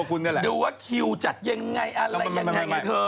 คือดูว่าคิวจัดอย่างไรอะไรอย่างแท้ไงเธอ